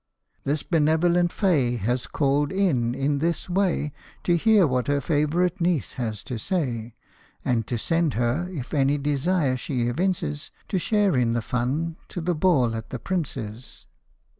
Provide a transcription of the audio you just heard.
This benevolent fay has called in, in this way To hear what her favourite niece has to say, And to send her, if any desire she evinces To share in the fun, to the ball at the Prince's.